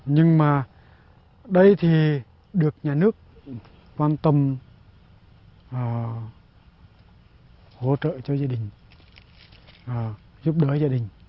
nhưng mà đây thì được nhà nước quan tâm hỗ trợ cho gia đình giúp đỡ gia đình